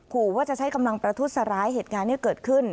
ขู่ว่าจะใช้กำลังประทุษร้ายเหตุการณ์ที่เกิดขึ้น